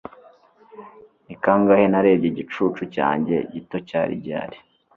ni kangahe narebye igicucu cyanjye gito cyari gihari